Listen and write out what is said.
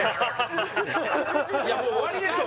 もう終わりでしょ